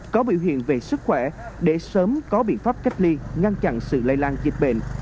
có biểu hiện về sức khỏe để sớm có biện pháp cách ly ngăn chặn sự lây lan dịch bệnh